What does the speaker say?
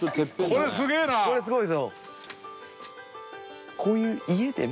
これすごいぞ。